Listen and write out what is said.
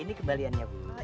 ini kembaliannya bu